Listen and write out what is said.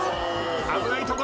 危ないところ。